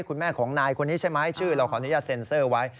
คุณแม่ของนายคนนี้ใช่ไหมชื่อเราขออนุญาตเซ็นเซอร์ไว้